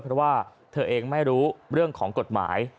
เพราะว่าเธอเองไม่รู้เรื่องของกฎหมาย